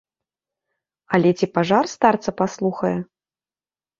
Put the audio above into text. Але ці пажар старца паслухае?